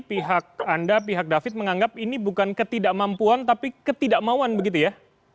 pihak anda pihak david menganggap ini bukan ketidakmampuan tapi ketidakmauan begitu ya